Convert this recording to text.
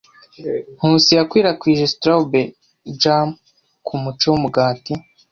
Nkusi yakwirakwije strawberry jam kumuce wumugati.